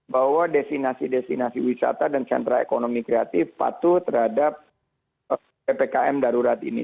bahwa destinasi destinasi wisata dan sentra ekonomi kreatif patuh terhadap ppkm darurat ini